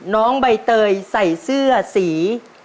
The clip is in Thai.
น้องใบเตยใส่เสื้อสี